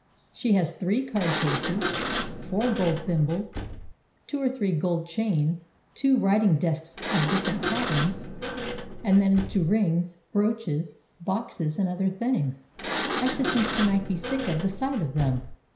She has three card cases, four gold thimbles, two or three gold chains, two writing desks of different patterns; and then as to rings, brooches, boxes, and all other things, I should think she might be sick of the sight of them.